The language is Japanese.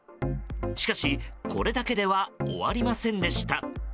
しかし、これだけでは終わりませんでした。